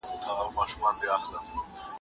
د ستر څښتن دربار ته